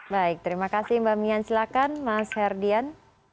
baik terima kasih mbak mian silahkan mas herdian